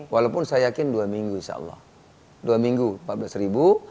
walaupun saya yakin dua minggu insya allah dua minggu empat belas ribu